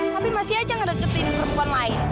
tapi masih aja gak deketin perempuan lain